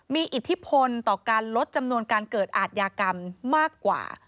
มีอิทธิพลต่อการลดจำนวนการเกิดอาทยากรรมมากกว่า